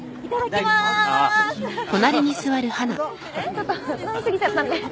ちょっと飲み過ぎちゃったんで。